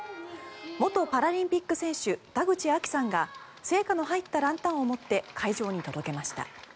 元パラリンピック選手田口亜希さんが聖火の入ったランタンを持って会場に届けました。